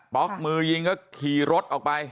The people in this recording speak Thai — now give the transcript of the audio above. ๊อกมือยิงก็ขี่รถออกไป